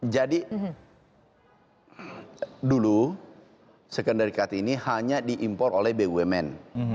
jadi dulu sekunderikat ini hanya diimpor oleh bumn